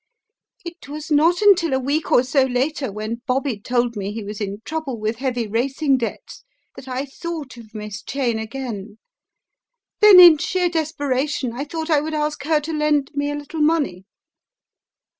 It was not until a week or so later when Bobby told me he was in trouble with heavy racing debts that I thought of Miss Cheyne again. Then in sheer desperation I thought I would ask her to lend me a little money.